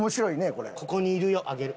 『ここにいるよ』あげる。